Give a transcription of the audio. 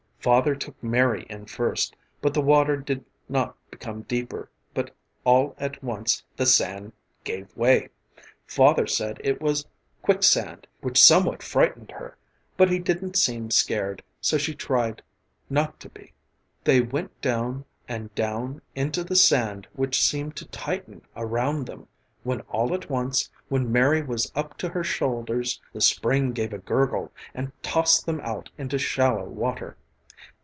Father took Mary in first, but the water did not become deeper, but all at once the sand gave way. Father said it was quick sand which somewhat frightened her, but he didn't seem scared so she tried not to be. They went down and down into the sand which seemed to tighten around them, when all at once, when Mary was up to her shoulders, the spring gave a gurgle and tossed them out into shallow water.